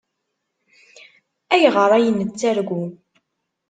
Ayɣer ay nettargu?